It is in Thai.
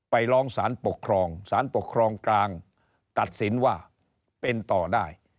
ไปร้องสารปกครองสารปกครองกลางตัดสินว่าเป็นต่อได้